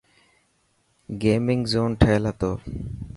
گيمنگ زون ٺهيل هتو.